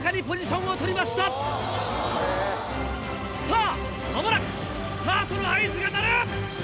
さぁまもなくスタートの合図が鳴る！